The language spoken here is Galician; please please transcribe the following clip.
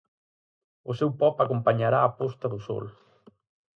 O seu pop acompañará a posta do sol.